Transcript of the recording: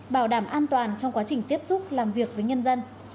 bảo đảm an toàn trong quá trình tiếp xúc làm việc với nhân dân